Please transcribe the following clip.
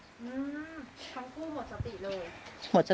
อืมทั้งคู่หมดสติเลย